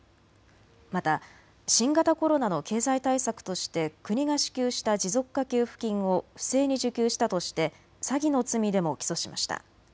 また新型コロナの経済対策として国が支給した持続化給付金を不正に受給したとして詐欺の罪でも起訴しました。